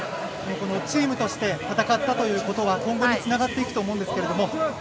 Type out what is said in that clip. チームとして戦ったということは今後につながっていくと思うんですけれども。